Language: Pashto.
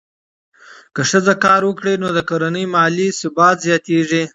که ښځه کار وکړي، نو د کورنۍ مالي ثبات زیاتېږي.